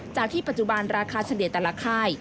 จากที่ปัจจุบันราคาเฉลี่ยแต่ละค่าย